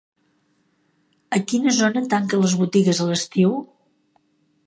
A quina zona tanquen les botigues a l'estiu?